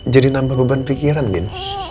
jadi nambah beban pikiran bin